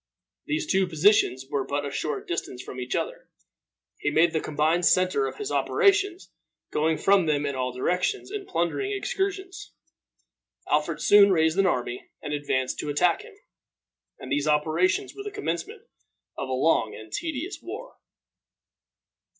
These two positions were but a short distance from each other. He made them the combined center of his operations, going from them in all directions in plundering excursions. Alfred soon raised an army and advanced to attack him; and these operations were the commencement of a long and tedious war.